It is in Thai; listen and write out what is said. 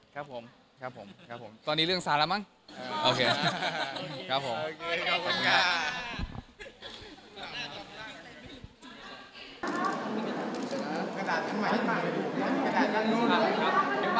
ก็เป็นกำลังใจให้ทั้งคู่นะครับ